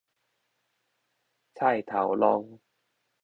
菜頭 long